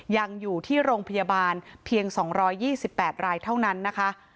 ยังอยู่ที่โรงพยาบาลเพียง๒๒๘รายเท่านั้นนะคะ